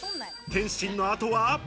点心のあとは。